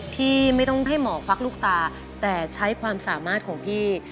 ที่ไม่ต้องให้หมอควักลูกตาแต่ใช้ความสามารถของพี่